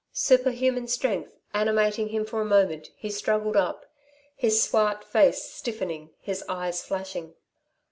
Superhuman strength animating him for a moment he struggled up, his swart face stiffening, his eyes flashing.